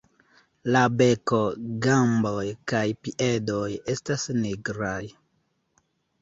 La beko, gamboj kaj piedoj estas nigraj.